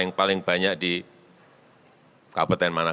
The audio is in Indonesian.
yang paling banyak di kabupaten malang